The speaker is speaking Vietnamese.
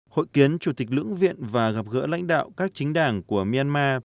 hội kiến chủ tịch lưỡng viện và gặp gỡ lãnh đạo các chính đảng của myanmar